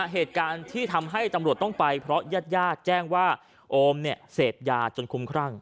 เหตุการณ์ที่ทำให้ตำรวจต้องไปเพราะญาติญาติแจ้งว่าโอมเนี่ยเสพยาจนคุ้มครั่ง